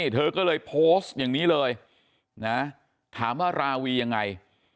เธอก็เลยโพสต์อย่างนี้เลยนะถามว่าราวียังไง